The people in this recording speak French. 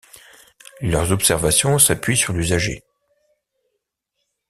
Leurs observations s'appuient sur l'usager.